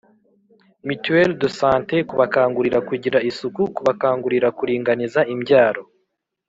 mutuelle de santé, kubakangurira kugira isuku, kubakangurira kuringaniza imbyaro,